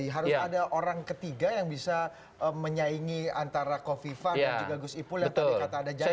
harus ada orang ketiga yang bisa menyaingi antara kofi fah dan gus ipul yang tadi kata ada jaya